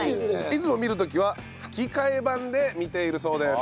いつも見る時は吹き替え版で見ているそうです。